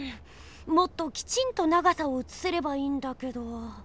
もっときちんと長さをうつせればいいんだけど。